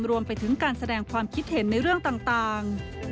รวมไปถึงการแสดงความคิดเห็นในเรื่องต่าง